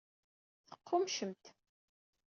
Teqqummcemt.